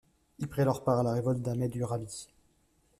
Il prit alors part à la révolte d'Ahmed Urabi.